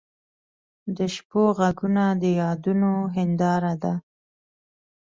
د شپو ږغونه د یادونو هنداره ده.